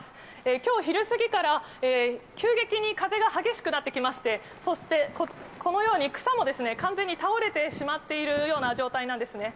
きょう昼過ぎから、急激に風が激しくなってきまして、そして、このように草も完全に倒れてしまっているような状態なんですね。